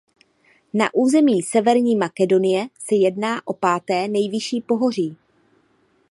Na území Severní Makedonie se jedná o páté nejvyšší pohoří.